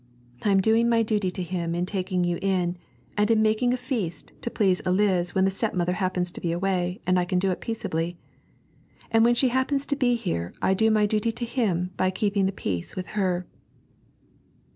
I am doing my duty to him in taking you in, and in making a feast to please Eliz when the stepmother happens to be away and I can do it peaceably. And when she happens to be here I do my duty to him by keeping the peace with her.'